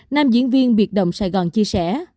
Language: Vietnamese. nam diễn viên biệt đồng sài gòn chia sẻ